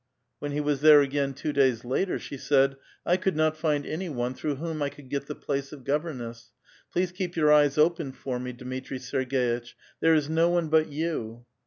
When he was there again two days later, she said :—I could not find any one through whom 1 could get the place of governess. Please keep your eyes open for me, Dmitri Sei^6itch ; there is no one but you."""